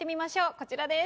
こちらです。